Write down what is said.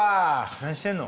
何してんの？